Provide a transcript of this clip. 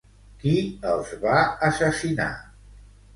Qui els va assassinar?